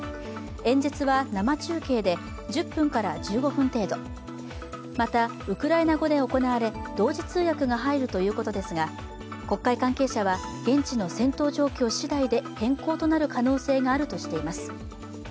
演説は生中継で１０分から１５分程度また、ウクライナ語で行われ同時通訳が入るということですが国会関係者は現地の戦闘状況しだいで変更となる可能性があるとしています。